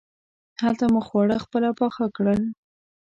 هلته مو خواړه خپله پاخه کړل.